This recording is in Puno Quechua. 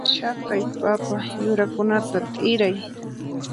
Chaqay papa yurakunata t'iray.